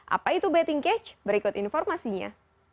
apa itu betting cage berikut informasinya